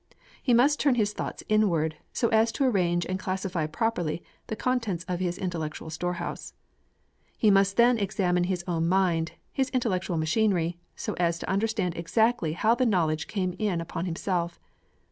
He must turn his thoughts inward, so as to arrange and classify properly the contents of his intellectual storehouse. He must then examine his own mind, his intellectual machinery, so as to understand exactly how the knowledge came in upon himself.